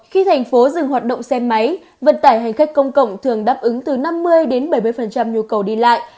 khi thành phố dừng hoạt động xe máy vận tải hành khách công cộng thường đáp ứng từ năm mươi đến bảy mươi nhu cầu đi lại